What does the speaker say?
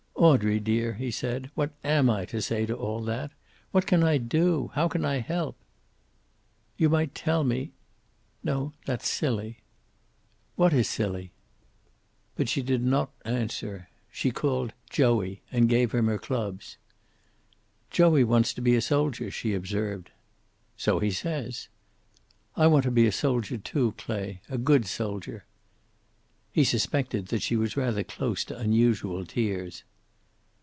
"Audrey dear," he said, "what am I to say to all that? What can I do? How can I help?" "You might tell me No, that's silly." "What is silly?" But she did not answer. She called "Joey!" and gave him her clubs. "Joey wants to be a soldier," she observed. "So he says." "I want to be a soldier, too, Clay. A good soldier." He suspected that she was rather close to unusual tears.